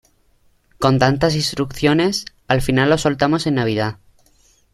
con tantas instrucciones, al final lo soltamos en Navidad.